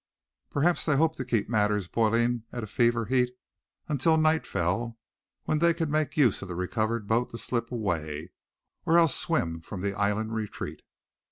Perhaps they hoped to keep matters boiling at fever heat until night fell, when they could make use of the recovered boat to slip away; or else swim from the island retreat.